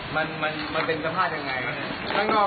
ให้เห็นเลยครับน้ำหนึ่งขวดนะครับ